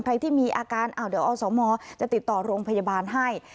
ใครที่มีอาการเดี๋ยวอสมจะติดต่อโรงพยาบาลให้